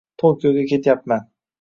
Tokioga ketyapman